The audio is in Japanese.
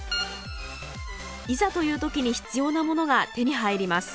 いざという時に必要なものが手に入ります。